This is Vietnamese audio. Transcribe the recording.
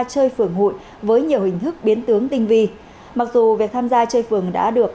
chơi phường hụi với nhiều hình thức biến tướng tinh vi mặc dù việc tham gia chơi phường đã được